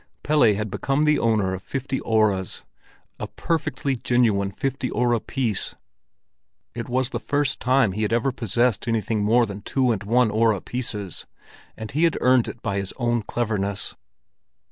Pelle had become the owner of fifty öres—a perfectly genuine fifty öre piece. It was the first time he had ever possessed anything more than two and one öre pieces, and he had earned it by his own cleverness.